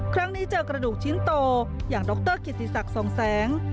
ครั้งนี้เจอกระดูกชิ้นโตอย่างดรกิติศักดิ์ทรงแสง